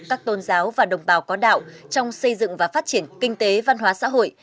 các tôn giáo và đồng bào có đạo trong xây dựng và phát triển kinh tế văn hóa xã hội